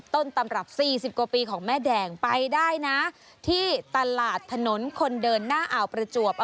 ต้นตำรับ๔๐กว่าปีของแม่แดงไปได้นะที่ตลาดถนนคนเดินหน้าอ่าวประจวบ